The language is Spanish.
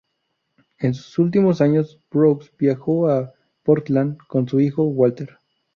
En sus últimos años, Brooks viajó a Portland con su hijo, Walter.